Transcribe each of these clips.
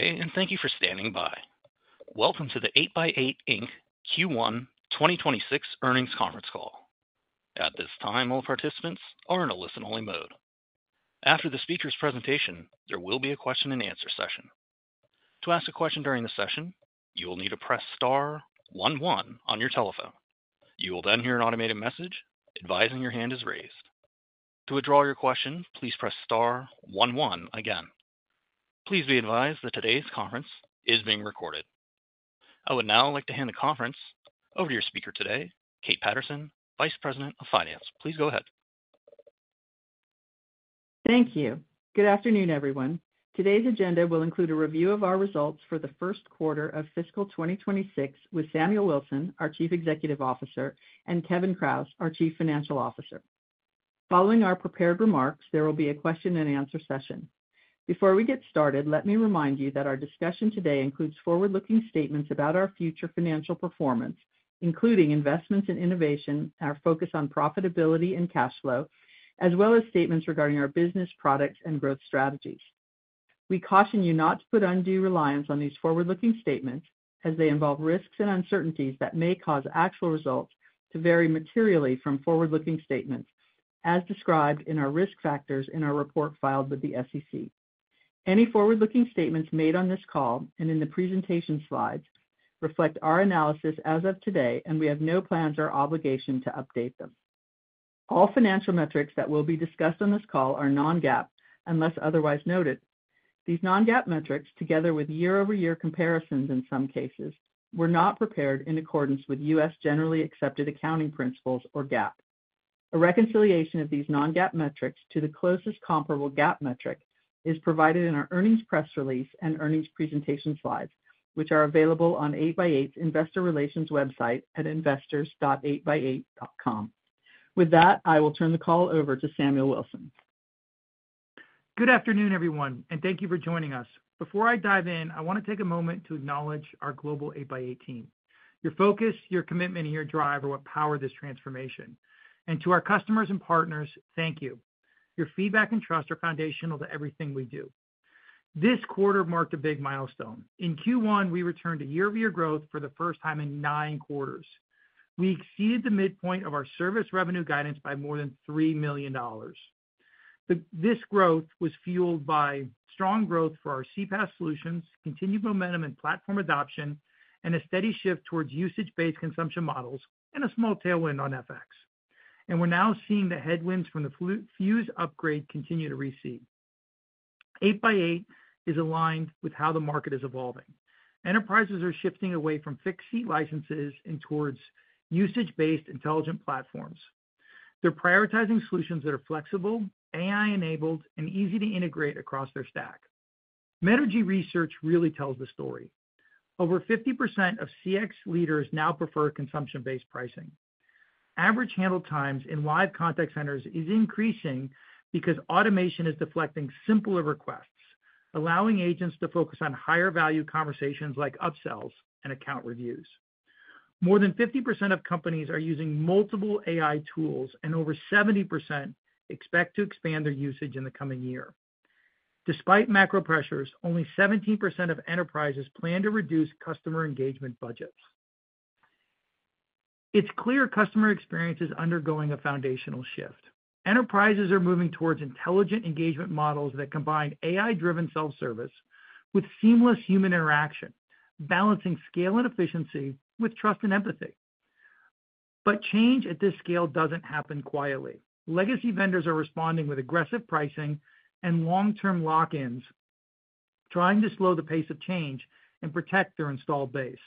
Today, and thank you for standing by. Welcome to the 8x8, Inc. Q1 2026 Earnings Conference Call. At this time, all participants are in a listen-only mode. After the speaker's presentation, there will be a question and answer session. To ask a question during the session, you will need to press *11 on your telephone. You will then hear an automated message advising your hand is raised. To withdraw your question, please press *11 again. Please be advised that today's conference is being recorded. I would now like to hand the conference over to your speaker today, Kate Patterson, Vice President of Finance. Please go ahead. Thank you. Good afternoon, everyone. Today's agenda will include a review of our results for the first quarter of fiscal 2026 with Samuel Wilson, our Chief Executive Officer, and Kevin Kraus, our Chief Financial Officer. Following our prepared remarks, there will be a question and answer session. Before we get started, let me remind you that our discussion today includes forward-looking statements about our future financial performance, including investments in innovation, our focus on profitability and cash flow, as well as statements regarding our business products and growth strategies. We caution you not to put undue reliance on these forward-looking statements, as they involve risks and uncertainties that may cause actual results to vary materially from forward-looking statements, as described in our risk factors in our report filed with the SEC. Any forward-looking statements made on this call and in the presentation slides reflect our analysis as of today, and we have no plans or obligation to update them. All financial metrics that will be discussed on this call are non-GAAP unless otherwise noted. These non-GAAP metrics, together with year-over-year comparisons in some cases, were not prepared in accordance with U.S. Generally Accepted Accounting Principles, or GAAP. A reconciliation of these non-GAAP metrics to the closest comparable GAAP metric is provided in our earnings press release and earnings presentation slides, which are available on 8x8's Investor Relations website at investors.8x8.com. With that, I will turn the call over to Samuel Wilson. Good afternoon, everyone, and thank you for joining us. Before I dive in, I want to take a moment to acknowledge our global 8x8 team. Your focus, your commitment, and your drive are what power this transformation. To our customers and partners, thank you. Your feedback and trust are foundational to everything we do. This quarter marked a big milestone. In Q1, we returned to year-over-year growth for the first time in nine quarters. We exceeded the midpoint of our service revenue guidance by more than $3 million. This growth was fueled by strong growth for our 8x8 CPaaS Solutions, continued momentum in platform adoption, a steady shift towards usage-based consumption models, and a small tailwind on FX. We are now seeing the headwinds from the fuse platform upgrade continue to recede. 8x8 is aligned with how the market is evolving. Enterprises are shifting away from fixed-seat licenses and towards usage-based intelligent platforms. They are prioritizing solutions that are flexible, AI-enabled, and easy to integrate across their stack. Metrigy research really tells the story. Over 50% of CX leaders now prefer consumption-based pricing. Average handle times in live contact centers are increasing because automation is deflecting simpler requests, allowing agents to focus on higher-value conversations like upsells and account reviews. More than 50% of companies are using multiple AI tools, and over 70% expect to expand their usage in the coming year. Despite macro pressures, only 17% of enterprises plan to reduce customer engagement budgets. It is clear customer experience is undergoing a foundational shift. Enterprises are moving towards intelligent engagement models that combine AI-driven self-service with seamless human interaction, balancing scale and efficiency with trust and empathy. Change at this scale does not happen quietly. Legacy vendors are responding with aggressive pricing and long-term lock-ins, trying to slow the pace of change and protect their installed base.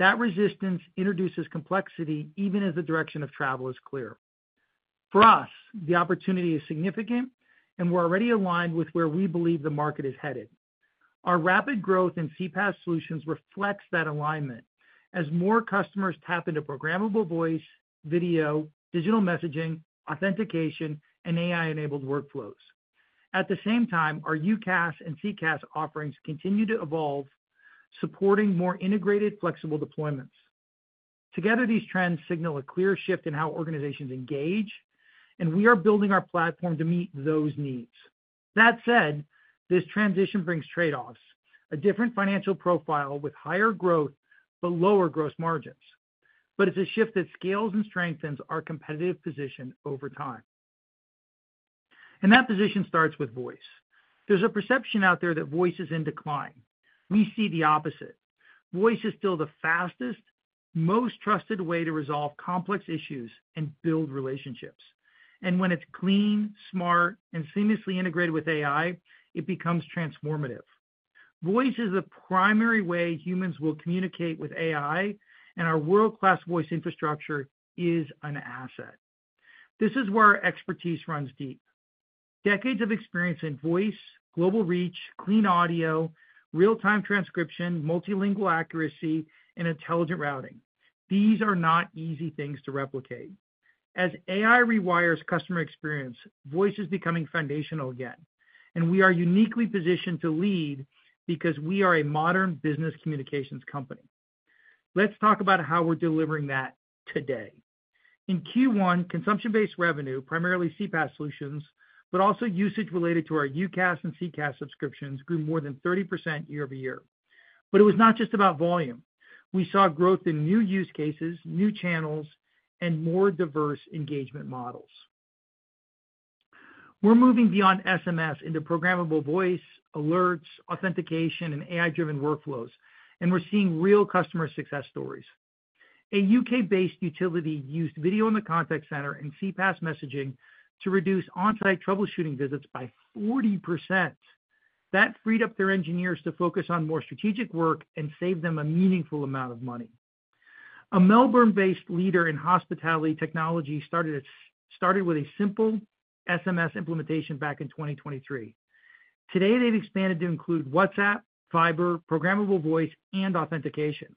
That resistance introduces complexity even as the direction of travel is clear. For us, the opportunity is significant, and we are already aligned with where we believe the market is headed. Our rapid growth in 8x8 CPaaS Solutions reflects that alignment, as more customers tap into programmable voice, video, digital messaging, authentication, and AI-enabled workflows. At the same time, our UCaaS and CCaaS offerings continue to evolve, supporting more integrated, flexible deployments. Together, these trends signal a clear shift in how organizations engage, and we are building our platform to meet those needs. That said, this transition brings trade-offs: a different financial profile with higher growth but lower gross margins. It is a shift that scales and strengthens our competitive position over time. That position starts with voice. There is a perception out there that voice is in decline. We see the opposite. Voice is still the fastest, most trusted way to resolve complex issues and build relationships. When it is clean, smart, and seamlessly integrated with AI, it becomes transformative. Voice is the primary way humans will communicate with AI, and our world-class voice infrastructure is an asset. This is where our expertise runs deep. Decades of experience in voice, global reach, clean audio, real-time transcription, multilingual accuracy, and intelligent routing. These are not easy things to replicate. As AI rewires customer experience, voice is becoming foundational again. We are uniquely positioned to lead because we are a modern business communications company. Let's talk about how we are delivering that today. In Q1, consumption-based revenue, primarily 8x8 CPaaS Solutions, but also usage related to our UCaaS and CCaaS subscriptions, grew more than 30% year-over-year. It was not just about volume. We saw growth in new use cases, new channels, and more diverse engagement models. We are moving beyond SMS into programmable voice, alerts, authentication, and AI-driven workflows, and we are seeing real customer success stories. A UK-based utility used video in the contact center and 8x8 CPaaS messaging to reduce on-site troubleshooting visits by 40%. That freed up their engineers to focus on more strategic work and saved them a meaningful amount of money. A Melbourne-based leader in hospitality technology started with a simple SMS implementation back in 2023. Today, they have expanded to include WhatsApp, Fiverr, programmable voice, and authentication.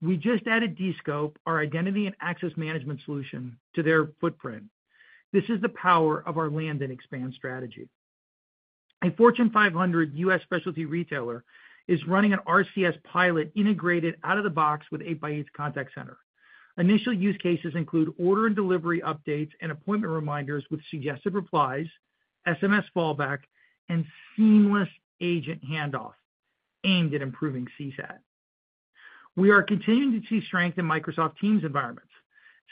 We just added dScope, our identity and access management solution, to their footprint. This is the power of our land and expand strategy. A Fortune 500 U.S. specialty retailer is running an RCS pilot integrated out of the box with 8x8's contact center. Initial use cases include order and delivery updates and appointment reminders with suggested replies, SMS fallback, and seamless agent handoff aimed at improving CSAT. We are continuing to see strength in Microsoft Teams environments.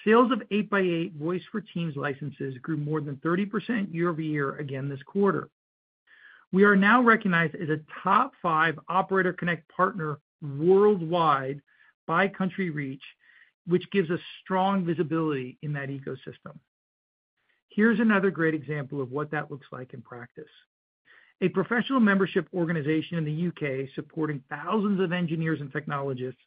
Sales of 8x8 Voice for Teams licenses grew more than 30% year-over-year again this quarter. We are now recognized as a top five Operator Connect partner worldwide by country reach, which gives us strong visibility in that ecosystem. Here's another great example of what that looks like in practice. A professional membership organization in the U.K. supporting thousands of engineers and technologists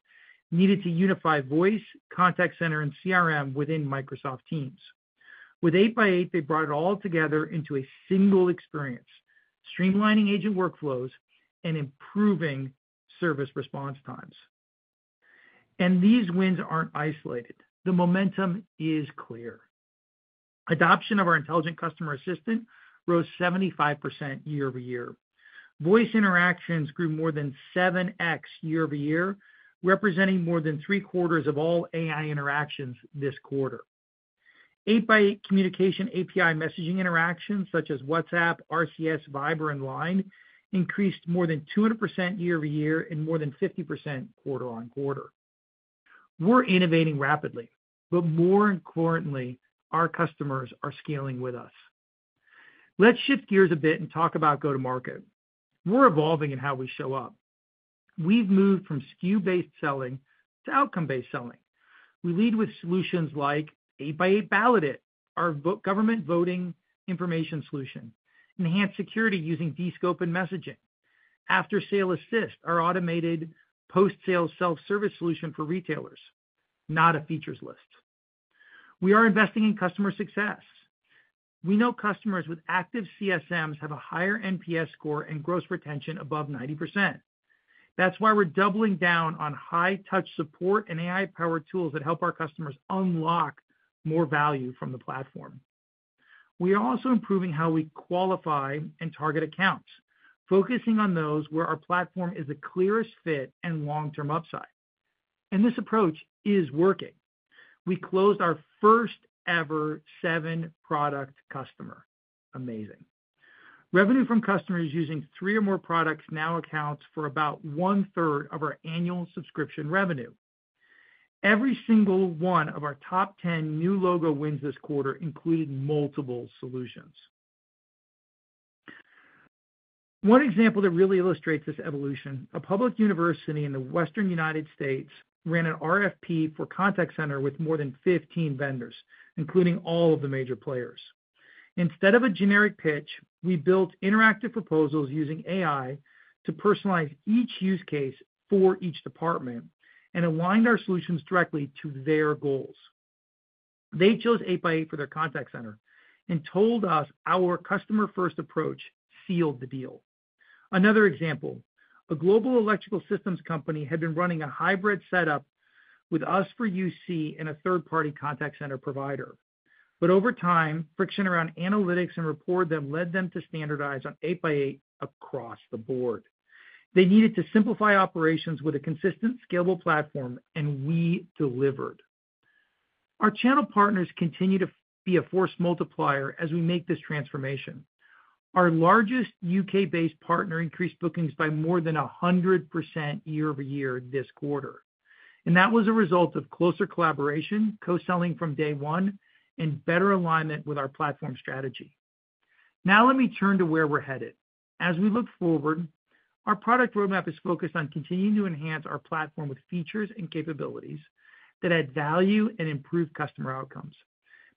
needed to unify voice, contact center, and CRM within Microsoft Teams. With 8x8, they brought it all together into a single experience, streamlining agent workflows and improving service response times. These wins aren't isolated. The momentum is clear. Adoption of our intelligent customer assistant rose 75% year-over-year. Voice interactions grew more than 7x year-over-year, representing more than three quarters of all AI interactions this quarter. 8x8 communication API messaging interactions, such as WhatsApp, RCS, Viber, and Line, increased more than 200% year-over-year and more than 50% quarter on quarter. We're innovating rapidly, but more importantly, our customers are scaling with us. Let's shift gears a bit and talk about go-to-market. We're evolving in how we show up. We've moved from SKU-based selling to outcome-based selling. We lead with solutions like 8x8 BallotIt, our government voting information solution, enhanced security using dScope and messaging, After Sale Assist, our automated post-sales self-service solution for retailers, not a features list. We are investing in customer success. We know customers with active CSMs have a higher NPS score and gross retention above 90%. That's why we're doubling down on high-touch support and AI-powered tools that help our customers unlock more value from the platform. We are also improving how we qualify and target accounts, focusing on those where our platform is the clearest fit and long-term upside. This approach is working. We closed our first ever seven-product customer. Amazing. Revenue from customers using three or more products now accounts for about one-third of our annual subscription revenue. Every single one of our top 10 new logo wins this quarter included multiple solutions. One example that really illustrates this evolution: a public university in the Western United States ran an RFP for a contact center with more than 15 vendors, including all of the major players. Instead of a generic pitch, we built interactive proposals using AI to personalize each use case for each department and aligned our solutions directly to their goals. They chose 8x8 for their contact center and told us our customer-first approach sealed the deal. Another example: a global electrical systems company had been running a hybrid setup with us for UC and a third-party contact center provider. Over time, friction around analytics and reporting led them to standardize on 8x8 across the board. They needed to simplify operations with a consistent, scalable platform, and we delivered. Our channel partners continue to be a force multiplier as we make this transformation. Our largest U.K. based partner increased bookings by more than 100% year-over-year this quarter. That was a result of closer collaboration, co-selling from day one, and better alignment with our platform strategy. Now let me turn to where we're headed. As we look forward, our product roadmap is focused on continuing to enhance our platform with features and capabilities that add value and improve customer outcomes.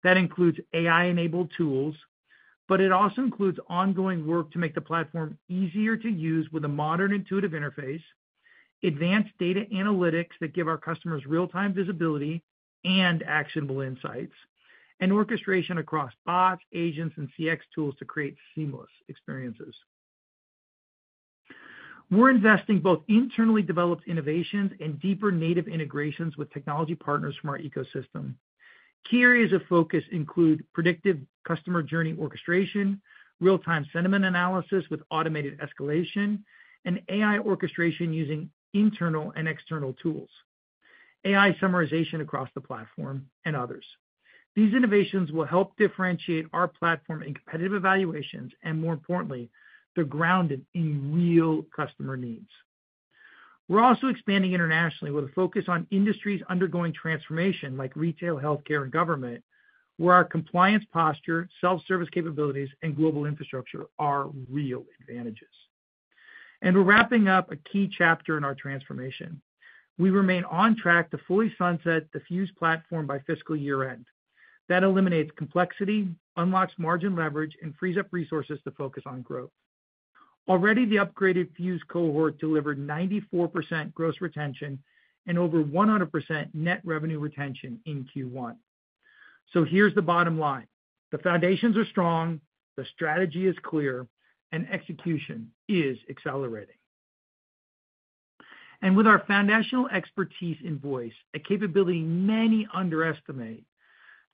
That includes AI-enabled tools, but it also includes ongoing work to make the platform easier to use with a modern, intuitive interface, advanced data analytics that give our customers real-time visibility and actionable insights, and orchestration across bots, agents, and CX tools to create seamless experiences. We're investing in both internally developed innovations and deeper native integrations with technology partners from our ecosystem. Key areas of focus include predictive customer journey orchestration, real-time sentiment analysis with automated escalation, and AI orchestration using internal and external tools, AI summarization across the platform, and others. These innovations will help differentiate our platform in competitive evaluations and, more importantly, they're grounded in real customer needs. We're also expanding internationally with a focus on industries undergoing transformation, like retail, healthcare, and government, where our compliance posture, self-service capabilities, and global infrastructure are real advantages. We're wrapping up a key chapter in our transformation. We remain on track to fully sunset the fuse platform by fiscal year end. That eliminates complexity, unlocks margin leverage, and frees up resources to focus on growth. Already, the upgraded fuse cohort delivered 94% gross retention and over 100% net revenue retention in Q1. Here is the bottom line: the foundations are strong, the strategy is clear, and execution is accelerating. With our foundational expertise in voice, a capability many underestimate,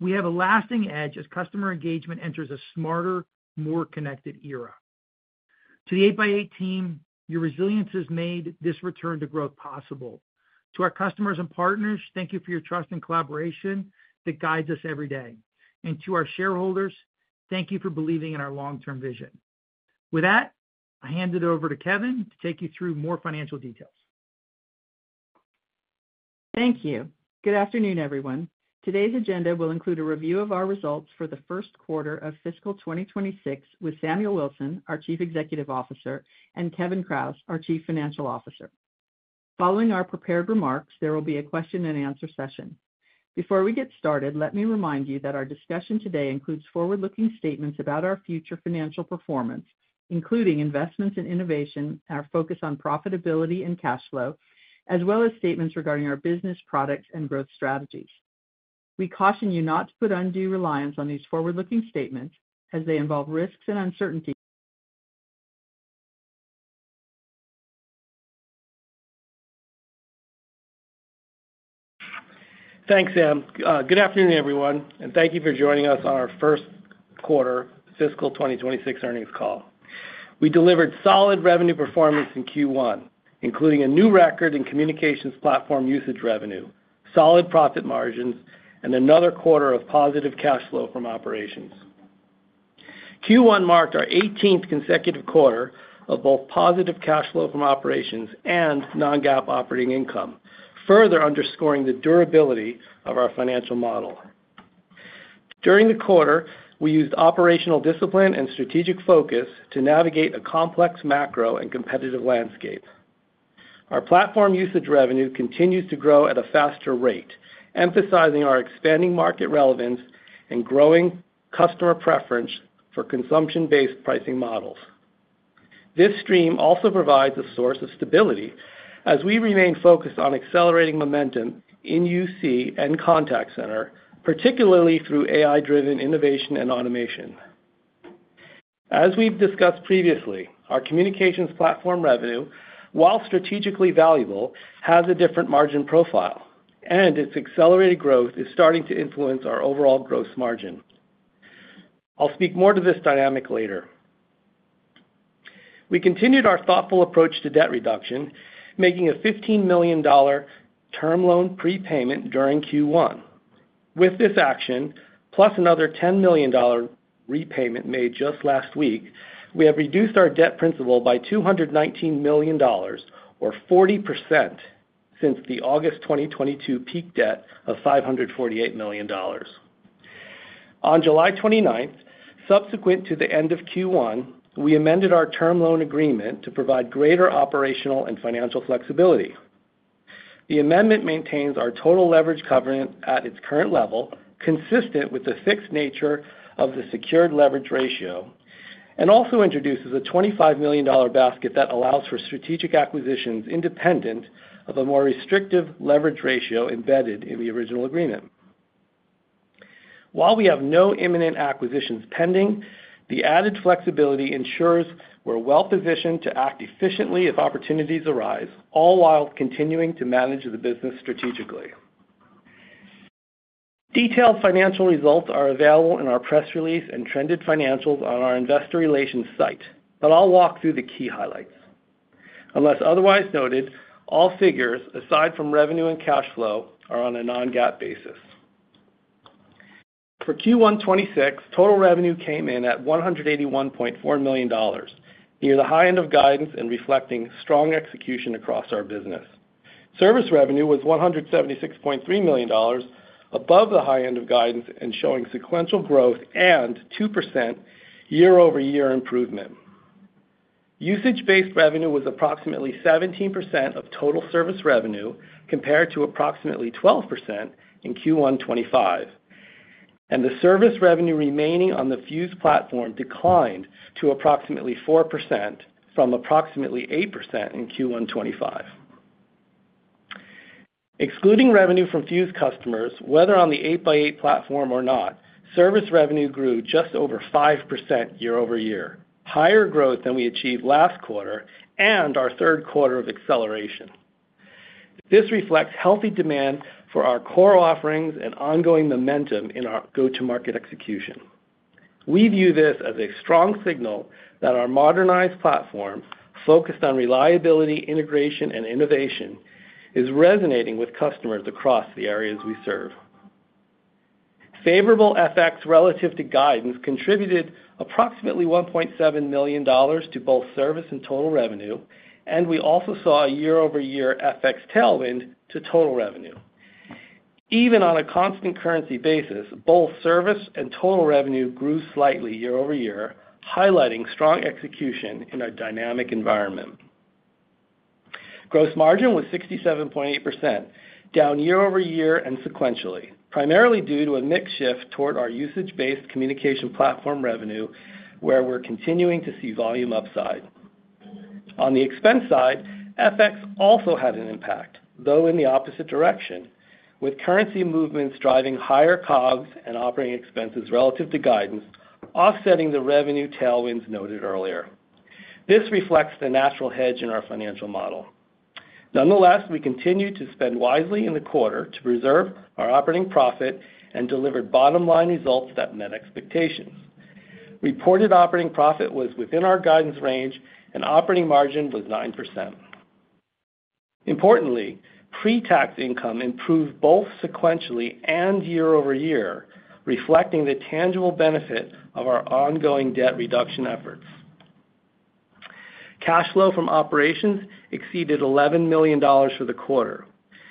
we have a lasting edge as customer engagement enters a smarter, more connected era. To the 8x8 team, your resilience has made this return to growth possible. To our customers and partners, thank you for your trust and collaboration that guides us every day. To our shareholders, thank you for believing in our long-term vision. With that, I hand it over to Kevin to take you through more financial details. Thank you. Good afternoon, everyone. Today's agenda will include a review of our results for the first quarter of fiscal 2026 with Samuel Wilson, our Chief Executive Officer, and Kevin Kraus, our Chief Financial Officer. Following our prepared remarks, there will be a question and answer session. Before we get started, let me remind you that our discussion today includes forward-looking statements about our future financial performance, including investments in innovation, our focus on profitability and cash flow, as well as statements regarding our business products and growth strategies. We caution you not to put undue reliance on these forward-looking statements, as they involve risks and uncertainty. Thanks, Sam. Good afternoon, everyone, and thank you for joining us on our first quarter fiscal 2026 Earnings Call. We delivered solid revenue performance in Q1, including a new record in communications platform usage revenue, solid profit margins, and another quarter of positive cash flow from operations. Q1 marked our 18th consecutive quarter of both positive cash flow from operations and non-GAAP operating income, further underscoring the durability of our financial model. During the quarter, we used operational discipline and strategic focus to navigate a complex macro and competitive landscape. Our platform usage revenue continues to grow at a faster rate, emphasizing our expanding market relevance and growing customer preference for consumption-based pricing models. This stream also provides a source of stability, as we remain focused on accelerating momentum in UC and contact center, particularly through AI-driven innovation and automation. As we've discussed previously, our communications platform revenue, while strategically valuable, has a different margin profile, and its accelerated growth is starting to influence our overall gross margin. I'll speak more to this dynamic later. We continued our thoughtful approach to debt reduction, making a $15 million term loan prepayment during Q1. With this action, plus another $10 million repayment made just last week, we have reduced our debt principal by $219 million, or 40% since the August, 2022 peak debt of $548 million. On July 29, subsequent to the end of Q1, we amended our term loan agreement to provide greater operational and financial flexibility. The amendment maintains our total leverage covenant at its current level, consistent with the fixed nature of the secured leverage ratio, and also introduces a $25 million basket that allows for strategic acquisitions independent of a more restrictive leverage ratio embedded in the original agreement. While we have no imminent acquisitions pending, the added flexibility ensures we're well positioned to act efficiently if opportunities arise, all while continuing to manage the business strategically. Detailed financial results are available in our press release and trended financials on our Investor Relations site, but I'll walk through the key highlights. Unless otherwise noted, all figures, aside from revenue and cash flow, are on a non-GAAP basis. For Q1 2026, total revenue came in at $181.4 million, near the high end of guidance and reflecting strong execution across our business. Service revenue was $176.3 million, above the high end of guidance and showing sequential growth and 2% year-over-year improvement. Usage-based revenue was approximately 17% of total service revenue, compared to approximately 12% in Q1 2025. The service revenue remaining on the fuse platform declined to approximately 4% from approximately 8% in Q1 2025. Excluding revenue from fuse customers, whether on the 8x8 platform or not, service revenue grew just over 5% year-over-year, higher growth than we achieved last quarter and our third quarter of acceleration. This reflects healthy demand for our core offerings and ongoing momentum in our go-to-market execution. We view this as a strong signal that our modernized platform, focused on reliability, integration, and innovation, is resonating with customers across the areas we serve. Favorable FX relative to guidance contributed approximately $1.7 million to both service and total revenue, and we also saw a year-over-year FX tailwind to total revenue. Even on a constant currency basis, both service and total revenue grew slightly year-over-year, highlighting strong execution in our dynamic environment. Gross margin was 67.8%, down year-over-year and sequentially, primarily due to a mix shift toward our usage-based communication platform revenue, where we're continuing to see volume upside. On the expense side, FX also had an impact, though in the opposite direction, with currency movements driving higher CABs and operating expenses relative to guidance, offsetting the revenue tailwinds noted earlier. This reflects the natural hedge in our financial model. Nonetheless, we continued to spend wisely in the quarter to preserve our operating profit and delivered bottom-line results that met expectations. Reported operating profit was within our guidance range, and operating margin was 9%. Importantly, pre-tax income improved both sequentially and year-over-year, reflecting the tangible benefit of our ongoing debt reduction efforts. Cash flow from operations exceeded $11 million for the quarter,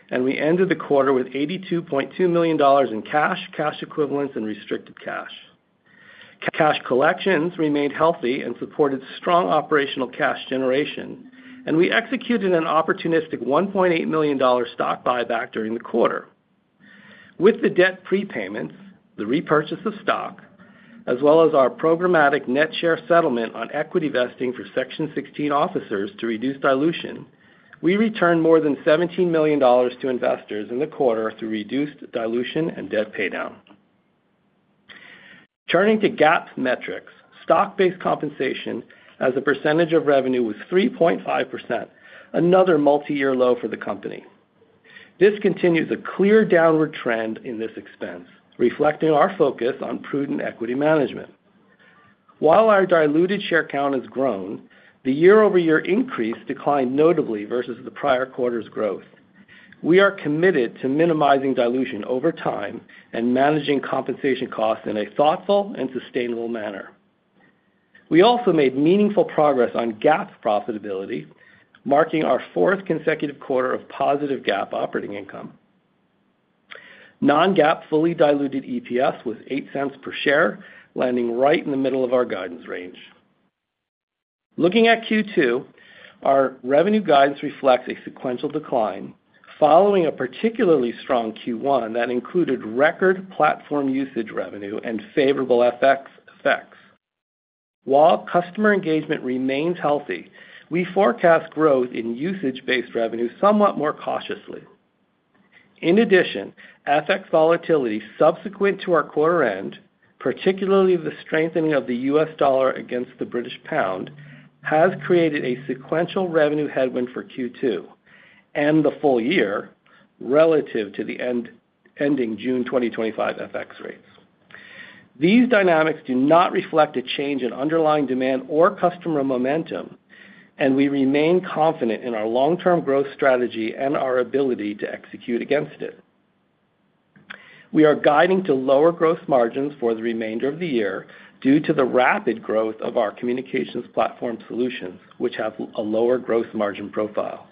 and we ended the quarter with $82.2 million in cash, cash equivalents, and restricted cash. Cash collections remained healthy and supported strong operational cash generation, and we executed an opportunistic $1.8 million stock buyback during the quarter. With the debt prepayments, the repurchase of stock, as well as our programmatic net share settlement on equity vesting for Section 16 officers to reduce dilution, we returned more than $17 million to investors in the quarter through reduced dilution and debt paydown. Turning to GAAP metrics, stock-based compensation as a percentage of revenue was 3.5%, another multi-year low for the company. This continues a clear downward trend in this expense, reflecting our focus on prudent equity management. While our diluted share count has grown, the year-over-year increase declined notably versus the prior quarter's growth. We are committed to minimizing dilution over time and managing compensation costs in a thoughtful and sustainable manner. We also made meaningful progress on GAAP profitability, marking our fourth consecutive quarter of positive GAAP operating income. Non-GAAP fully diluted EPS was $0.08 per share, landing right in the middle of our guidance range. Looking at Q2, our revenue guidance reflects a sequential decline following a particularly strong Q1 that included record platform usage revenue and favorable FX effects. While customer engagement remains healthy, we forecast growth in usage-based revenue somewhat more cautiously. In addition, FX volatility subsequent to our quarter end, particularly the strengthening of the U.S. dollar against the British pound, has created a sequential revenue headwind for Q2 and the full year relative to the ending June, 2025 FX rates. These dynamics do not reflect a change in underlying demand or customer momentum, and we remain confident in our long-term growth strategy and our ability to execute against it. We are guiding to lower gross margins for the remainder of the year due to the rapid growth of our communications platform solutions, which have a lower gross margin profile.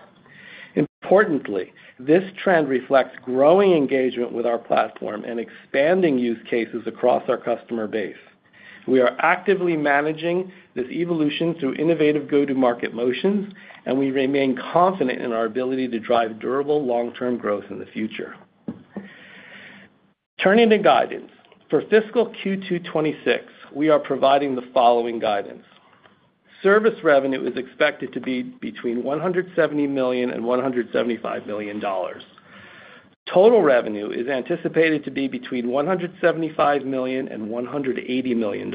Importantly, this trend reflects growing engagement with our platform and expanding use cases across our customer base. We are actively managing this evolution through innovative go-to-market motions, and we remain confident in our ability to drive durable long-term growth in the future. Turning to guidance, for fiscal Q2 2026, we are providing the following guidance: service revenue is expected to be between $170 million and $175 million. Total revenue is anticipated to be between $175 million and $180 million.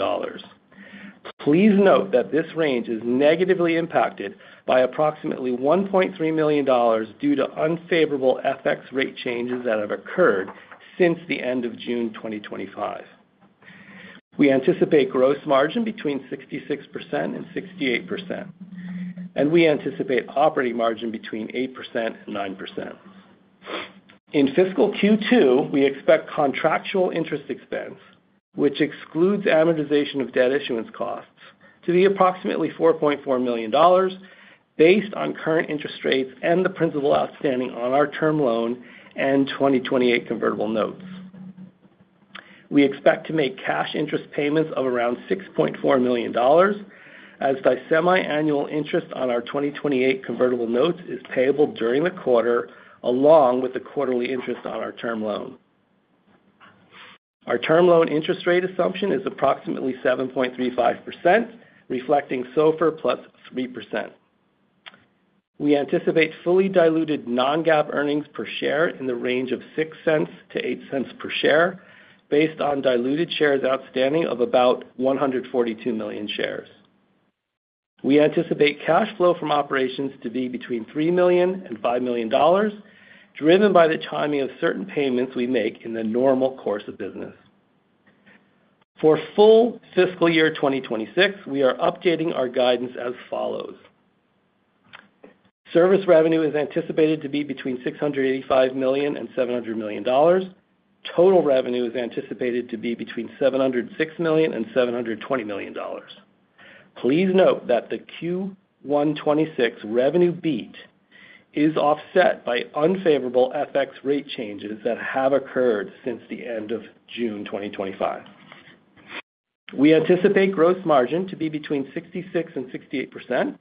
Please note that this range is negatively impacted by approximately $1.3 million due to unfavorable FX rate changes that have occurred since the end of June, 2025. We anticipate gross margin between 66% and 68%, and we anticipate operating margin between 8% and 9%. In fiscal Q2, we expect contractual interest expense, which excludes amortization of debt issuance costs, to be approximately $4.4 million based on current interest rates and the principal outstanding on our term loan and 2028 convertible notes. We expect to make cash interest payments of around $6.4 million as the semiannual interest on our 2028 convertible notes is payable during the quarter, along with the quarterly interest on our term loan. Our term loan interest rate assumption is approximately 7.35%, reflecting SOFR plus 3%. We anticipate fully diluted non-GAAP earnings per share in the range of $0.06 to $0.08 per share, based on diluted shares outstanding of about 142 million shares. We anticipate cash flow from operations to be between $3 million and $5 million, driven by the timing of certain payments we make in the normal course of business. For full fiscal year 2026, we are updating our guidance as follows: service revenue is anticipated to be between $685 million and $700 million. Total revenue is anticipated to be between $706 million and $720 million. Please note that the Q1 2026 revenue beat is offset by unfavorable FX rate changes that have occurred since the end of June 2025. We anticipate gross margin to be between 66% and 68%.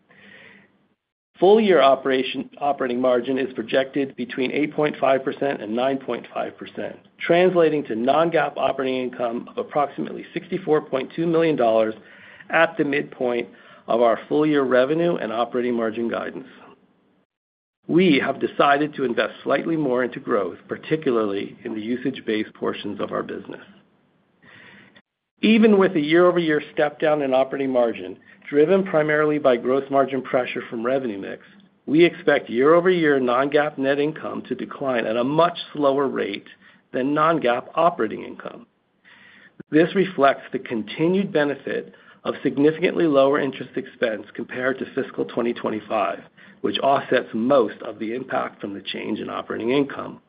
Full-year operating margin is projected between 8.5% and 9.5%, translating to non-GAAP operating income of approximately $64.2 million at the midpoint of our full-year revenue and operating margin guidance. We have decided to invest slightly more into growth, particularly in the usage-based portions of our business. Even with a year-over-year step-down in operating margin, driven primarily by gross margin pressure from revenue mix, we expect year-over-year non-GAAP net income to decline at a much slower rate than non-GAAP operating income. This reflects the continued benefit of significantly lower interest expense compared to fiscal 2025, which offsets most of the impact from the change in operating income.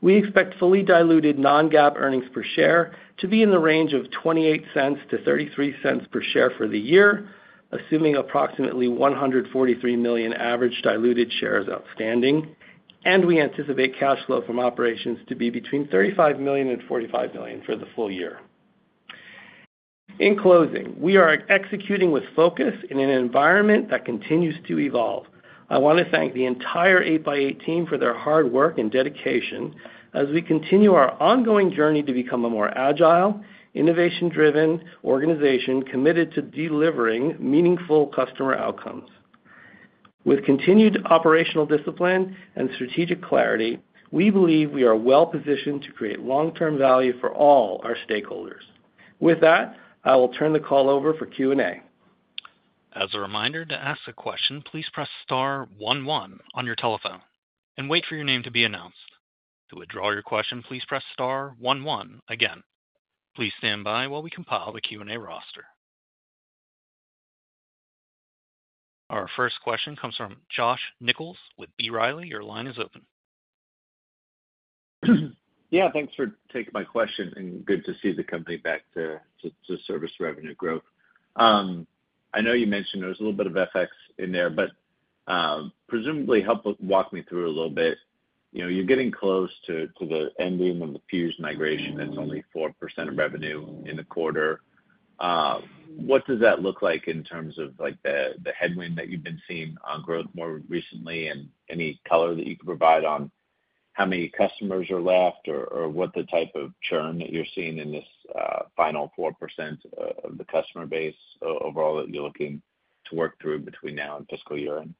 We expect fully diluted non-GAAP earnings per share to be in the range of $0.28-$0.33 per share for the year, assuming approximately 143 million average diluted shares outstanding, and we anticipate cash flow from operations to be between $35 million and $45 million for the full year. In closing, we are executing with focus in an environment that continues to evolve. I want to thank the entire 8x8 team for their hard work and dedication as we continue our ongoing journey to become a more agile, innovation-driven organization committed to delivering meaningful customer outcomes. With continued operational discipline and strategic clarity, we believe we are well positioned to create long-term value for all our stakeholders. With that, I will turn the call over for Q&A. As a reminder, to ask a question, please press *11 on your telephone and wait for your name to be announced. To withdraw your question, please press *11 again. Please stand by while we compile the Q&A roster. Our first question comes from Josh Nichols with B. Riley. Your line is open. Yeah, thanks for taking my question, and good to see the company back to service revenue growth. I know you mentioned there was a little bit of FX in there, but presumably, help walk me through a little bit. You're getting close to the ending of the fuse migration that's only 4% of revenue in the quarter. What does that look like in terms of the headwind that you've been seeing on growth more recently, and any color that you could provide on how many customers are left or what the type of churn that you're seeing in this final 4% of the customer base overall that you're looking to work through between now and fiscal year end?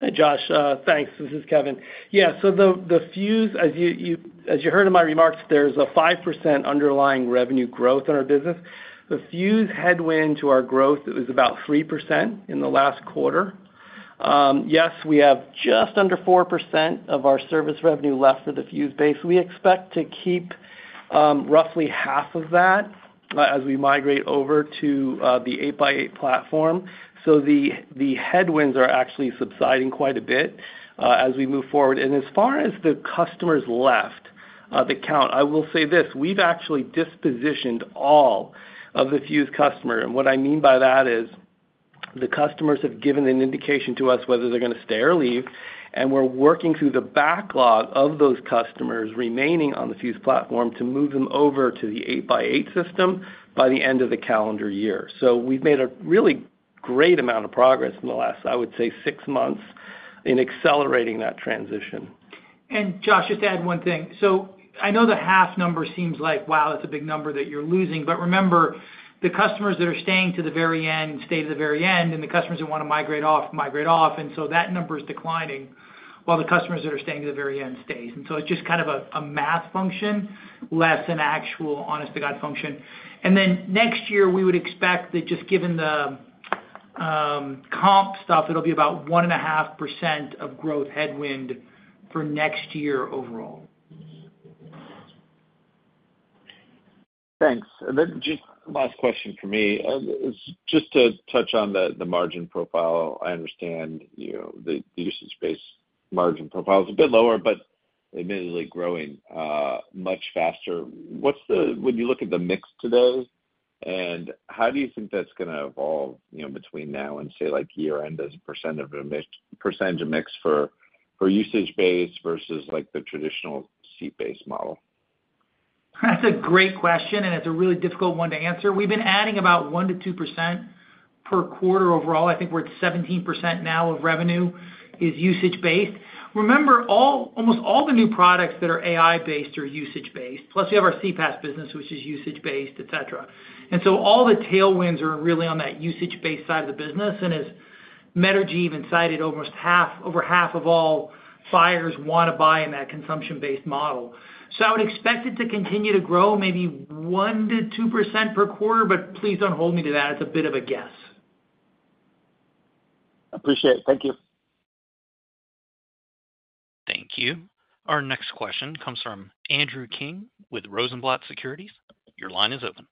Hey, Josh. Thanks. This is Kevin. Yeah, so the fuse, as you heard in my remarks, there's a 5% underlying revenue growth in our business. The fuse headwind to our growth was about 3% in the last quarter. Yes, we have just under 4% of our service revenue left for the fuse base. We expect to keep roughly half of that as we migrate over to the 8x8 platform. The headwinds are actually subsiding quite a bit as we move forward. As far as the customers left, the count, I will say this. We've actually dispositioned all of the fuse customers. What I mean by that is the customers have given an indication to us whether they're going to stay or leave, and we're working through the backlog of those customers remaining on the fuse platform to move them over to the 8x8 system by the end of the calendar year. We've made a really great amount of progress in the last, I would say, six months in accelerating that transition. Josh, just to add one thing. I know the half number seems like, wow, that's a big number that you're losing, but remember, the customers that are staying to the very end stay to the very end, and the customers that want to migrate off migrate off. That number is declining while the customers that are staying to the very end stay. It's just kind of a math function, less an actual honest-to-God function. Next year, we would expect that just given the comp stuff, it'll be about 1.5% of growth headwind for next year overall. Thanks. Just last question for me. Just to touch on the margin profile, I understand the usage-based margin profile is a bit lower, but admittedly growing much faster. What's the, when you look at the mix today, how do you think that's going to evolve between now and, say, like year end as a percentage of mix for usage-based versus like the traditional seat-based model? That's a great question, and it's a really difficult one to answer. We've been adding about 1%-2% per quaFrter overall. I think we're at 17% now of revenue is usage-based. Remember, almost all the new products that are AI-based are usage-based. Plus, we have our 8x8 CPaaS Solutions business, which is usage-based, etc. All the tailwinds are really on that usage-based side of the business. As Metrigy even cited, over half of all buyers want to buy in that consumption-based model. I would expect it to continue to grow maybe 1%-2% per quarter, but please don't hold me to that. It's a bit of a guess. Appreciate it. Thank you. Thank you. Our next question comes from Andrew King with Rosenblatt Securities. Your line is open.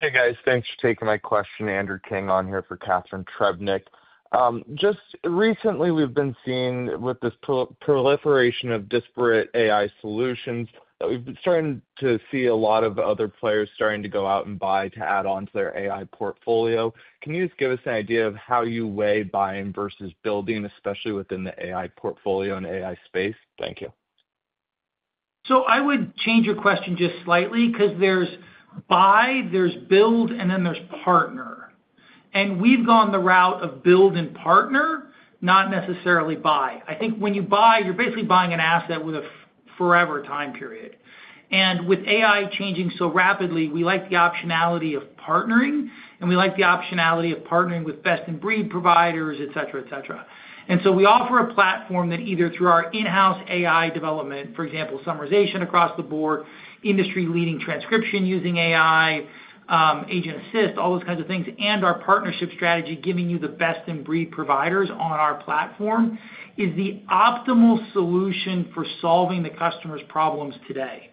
Hey, guys. Thanks for taking my question, Andrew King on here for Catherine Trebnik. Just recently, we've been seeing with this proliferation of disparate AI solutions that we've been starting to see a lot of other players starting to go out and buy to add on to their AI portfolio. Can you just give us an idea of how you weigh buying versus building, especially within the AI portfolio and AI space? Thank you. I would change your question just slightly because there's buy, there's build, and then there's partner. We've gone the route of build and partner, not necessarily buy. I think when you buy, you're basically buying an asset with a forever time period. With AI changing so rapidly, we like the optionality of partnering, and we like the optionality of partnering with best-in-breed providers, et cetera, et cetera. We offer a platform that either through our in-house AI development, for example, summarization across the board, industry-leading transcription using AI, agent assist, all those kinds of things, and our partnership strategy, giving you the best-in-breed providers on our platform is the optimal solution for solving the customer's problems today.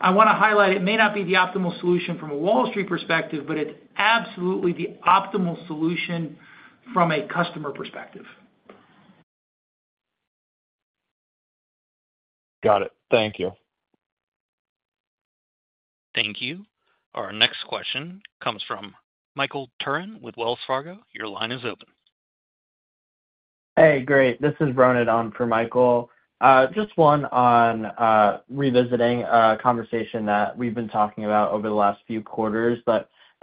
I want to highlight it may not be the optimal solution from a Wall Street perspective, but it's absolutely the optimal solution from a customer perspective. Got it. Thank you. Thank you. Our next question comes from Michael Turrin with Wells Fargo. Your line is open. Hey, great. This is Ronan on for Michael. Just one on revisiting a conversation that we've been talking about over the last few quarters.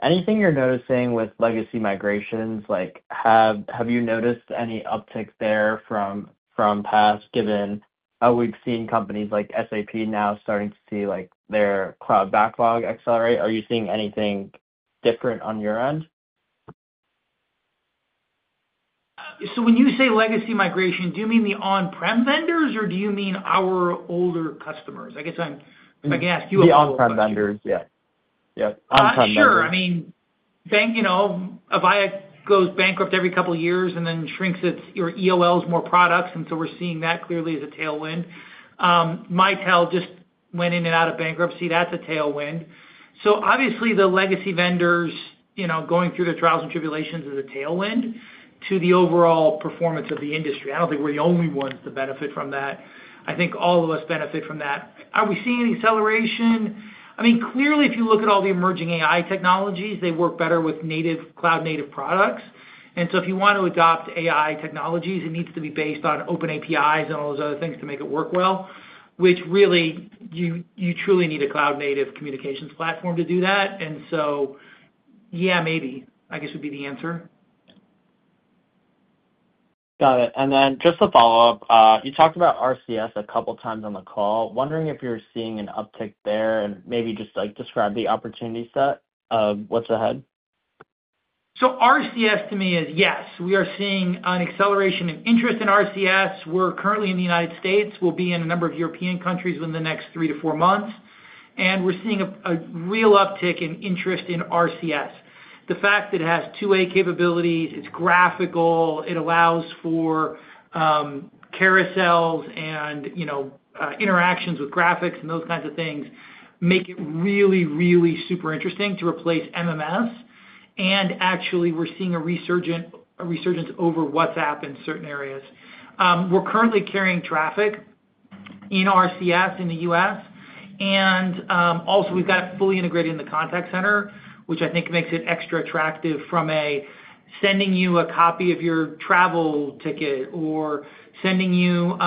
Anything you're noticing with legacy migrations? Have you noticed any uptick there from past, given we've seen companies like SAP now starting to see their cloud backlog accelerate? Are you seeing anything different on your end? When you say legacy migration, do you mean the on-prem vendors or do you mean our older customers? I guess I can ask you a question. The on-prem vendors, yeah. Sure. I mean, Avaya goes bankrupt every couple of years and then shrinks its EOLs, more products. We're seeing that clearly as a tailwind. Mitel just went in and out of bankruptcy. That's a tailwind. Obviously, the legacy vendors going through their trials and tribulations is a tailwind to the overall performance of the industry. I don't think we're the only ones to benefit from that. I think all of us benefit from that. Are we seeing an acceleration? Clearly, if you look at all the emerging AI technologies, they work better with native cloud-native products. If you want to adopt AI technologies, it needs to be based on open APIs and all those other things to make it work well, which really, you truly need a cloud-native communications platform to do that. Yeah, maybe, I guess would be the answer. Got it. Then just a follow-up. You talked about RCS a couple of times on the call. Wondering if you're seeing an uptick there, and maybe just like describe the opportunity set of what's ahead. RCS to me is, yes, we are seeing an acceleration in interest in RCS. We're currently in the United States We'll be in a number of European countries within the next three to four months. We're seeing a real uptick in interest in RCS. The fact that it has two-way capabilities, it's graphical, it allows for carousels and, you know, interactions with graphics and those kinds of things make it really, really super interesting to replace MMS. Actually, we're seeing a resurgence over WhatsApp in certain areas. We're currently carrying traffic in RCS in the U.S., and we've got it fully integrated in the contact center, which I think makes it extra attractive from a sending you a copy of your travel ticket or sending you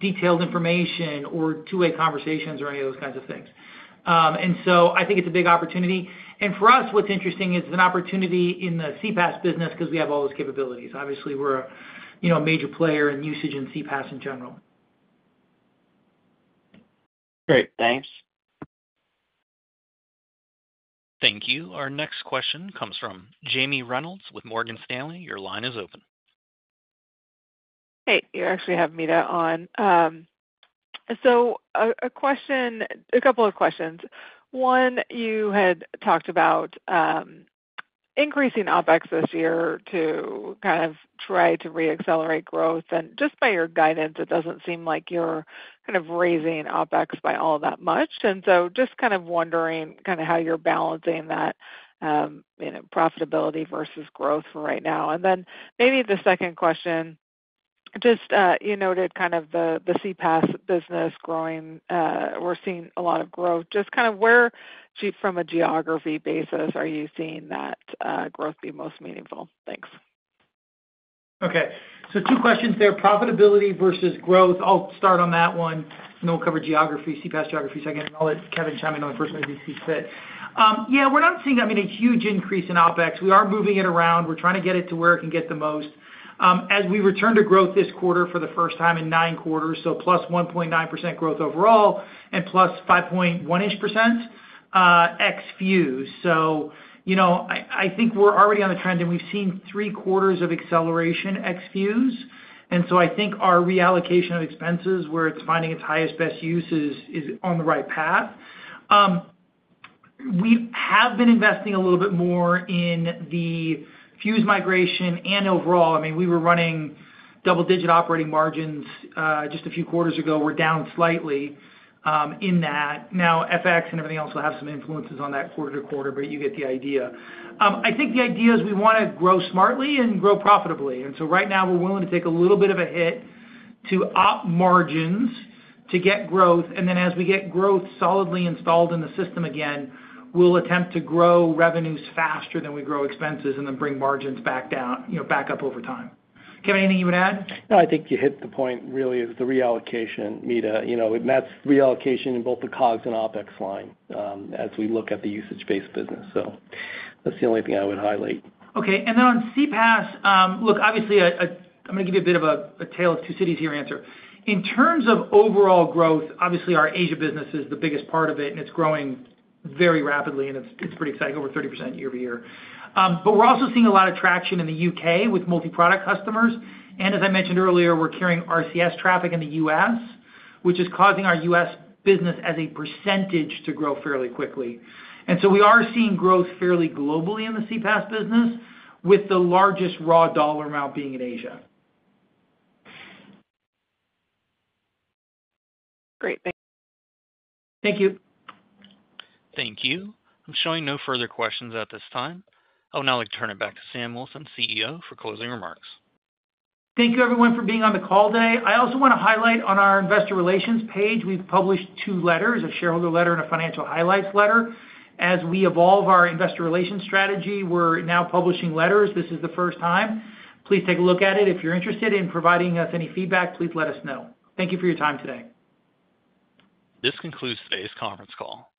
detailed information or two-way conversations or any of those kinds of things. I think it's a big opportunity. For us, what's interesting is an opportunity in the CPaaS business because we have all those capabilities. Obviously, we're a major player in usage in CPaaS in general. Great. Thanks. Thank you. Our next question comes from Jamie Reynolds with Morgan Stanley. Your line is open. Hey, you actually have Meta on. A question, a couple of questions. One, you had talked about increasing OpEx this year to kind of try to re-accelerate growth. Just by your guidance, it doesn't seem like you're kind of raising OpEx by all that much. I'm just kind of wondering how you're balancing that, you know, profitability versus growth for right now. Maybe the second question, you noted the CPaaS business growing. We're seeing a lot of growth. Where, from a geography basis, are you seeing that growth be most meaningful? Thanks. Okay. Two questions there, profitability versus growth. I'll start on that one, and then we'll cover geography, CPaaS geography second, and I'll let Kevin chime in on the first one as he sees fit. Yeah, we're not seeing, I mean, a huge increase in OpEx. We are moving it around. We're trying to get it to where it can get the most as we return to growth this quarter for the first time in nine quarters. Plus 1.9% growth overall and plus 5.18% ex-fuse. I think we're already on the trend, and we've seen three quarters of acceleration ex-fuse. I think our reallocation of expenses where it's finding its highest best use is on the right path. We have been investing a little bit more in the fuse migration, and overall, I mean, we were running double-digit operating margins just a few quarters ago. We're down slightly in that. Now, FX and everything else will have some influences on that quarter to quarter, but you get the idea. The idea is we want to grow smartly and grow profitably. Right now, we're willing to take a little bit of a hit to op margins to get growth. As we get growth solidly installed in the system again, we'll attempt to grow revenues faster than we grow expenses and then bring margins back up over time. Kevin, anything you would add? No, I think you hit the point really is the reallocation, Meta, you know, and that's reallocation in both the COGS and OpEx line as we look at the usage-based business. That's the only thing I would highlight. Okay. On CPaaS, look, obviously, I'm going to give you a bit of a tale of two cities here answer. In terms of overall growth, obviously, our Asia business is the biggest part of it, and it's growing very rapidly, and it's pretty exciting, over 30% year-over-year. We're also seeing a lot of traction in the UK with multi-product customers. As I mentioned earlier, we're carrying RCS traffic in the U.S., which is causing our U.S. business as a percentage to grow fairly quickly. We are seeing growth fairly globally in the CPaaS business, with the largest raw dollar amount being in Asia. Great. Thanks. Thank you. Thank you. I'm showing no further questions at this time. I would now like to turn it back to Samuel Wilson, CEO, for closing remarks. Thank you, everyone, for being on the call today. I also want to highlight on our Investor Relations page, we've published two letters, a shareholder letter and a financial highlights letter. As we evolve our Investor Relations strategy, we're now publishing letters. This is the first time. Please take a look at it. If you're interested in providing us any feedback, please let us know. Thank you for your time today. This concludes today's conference call.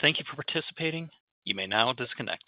Thank you for participating. You may now disconnect.